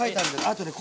あとね